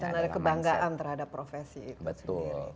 dan ada kebanggaan terhadap profesi itu sendiri